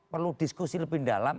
perlu diskusi lebih dalam